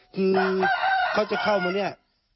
คือเขาจะเข้ามาเนี่ย